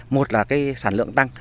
một là sản lượng tăng